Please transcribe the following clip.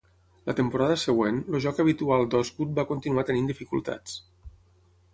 La temporada següent, el joc habitual d'Osgood va continuar tenint dificultats.